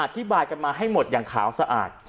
อธิบายกันมาให้หมดอย่างขาวสะอาด